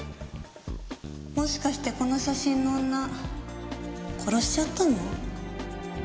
もしかしてこの写真の女殺しちゃったの？